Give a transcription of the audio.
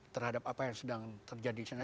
terhadap apa yang sedang terjadi di sana